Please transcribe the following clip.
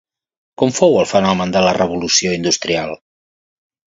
Com fou el fenomen de la Revolució Industrial?